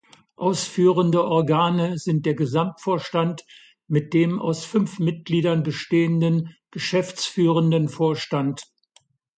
Ausführende Organe sind der Gesamtvorstand mit dem aus fünf Mitgliedern bestehenden geschäftsführenden Vorstand.